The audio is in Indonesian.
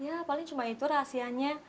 ya paling cuma itu rahasianya